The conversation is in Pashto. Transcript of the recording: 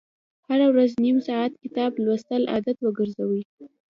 هره ورځ نیم ساعت کتاب لوستل عادت وګرځوئ.